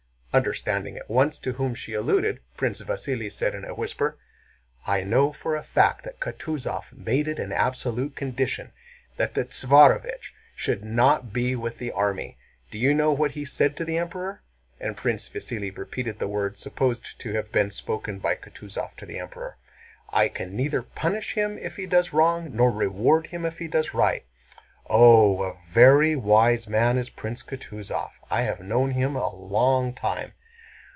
Understanding at once to whom she alluded, Prince Vasíli said in a whisper: "I know for a fact that Kutúzov made it an absolute condition that the Tsarévich should not be with the army. Do you know what he said to the Emperor?" And Prince Vasíli repeated the words supposed to have been spoken by Kutúzov to the Emperor. "I can neither punish him if he does wrong nor reward him if he does right." "Oh, a very wise man is Prince Kutúzov! I have known him a long time!"